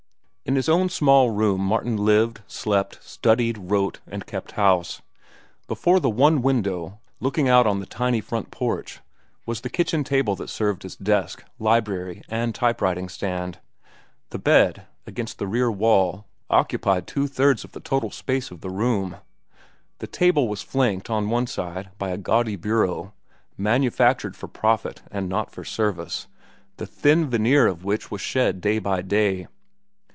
In his own small room Martin lived, slept, studied, wrote, and kept house. Before the one window, looking out on the tiny front porch, was the kitchen table that served as desk, library, and type writing stand. The bed, against the rear wall, occupied two thirds of the total space of the room. The table was flanked on one side by a gaudy bureau, manufactured for profit and not for service, the thin veneer of which was shed day by day.